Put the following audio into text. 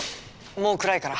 もう暗いから。